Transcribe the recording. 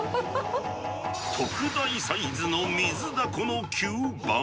特大サイズの水ダコの吸盤。